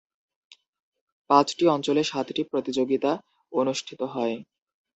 পাঁচটি অঞ্চলে সাতটি প্রতিযোগিতা অনুষ্ঠিত হয়।